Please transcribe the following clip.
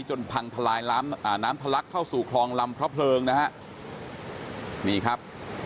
จนพังทลายน้ำอ่าน้ำทะลักเข้าสู่คลองลำพระเพลิงนะฮะนี่ครับ